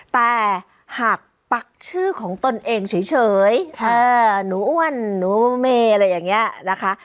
แต่หากปักชื่อของตนเองเฉยหนูอ้วนหนูเมย์อะไรอย่างนี้นะคะ